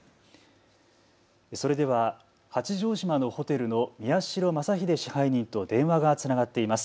それでは八丈島のホテルの宮代昌秀支配人と電話がつながっています。